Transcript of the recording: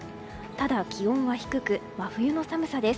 ただ、気温は低く真冬の寒さです。